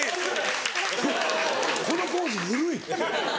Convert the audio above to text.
このポーズ古い。